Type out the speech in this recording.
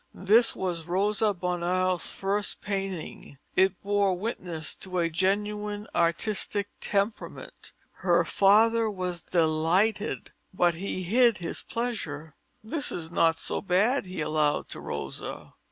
This was Rosa Bonheur's first painting; it bore witness to a genuine artistic temperament. Her father was delighted, but he hid his pleasure. "That is not so bad," he allowed to Rosa.